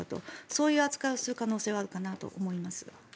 そういう扱いをする可能性はあるかなと思います。